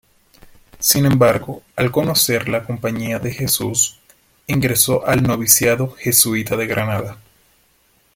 Sin embargo, al conocerla Compañía de Jesús, ingresó al noviciado jesuita de Granada.